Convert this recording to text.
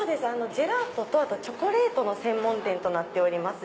ジェラートとチョコレートの専門店となっております。